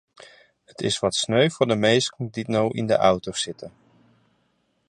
It is wat sneu foar de minsken dy't no yn de auto sitte.